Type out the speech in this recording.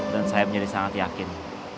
dan saya menjadi sangat yakin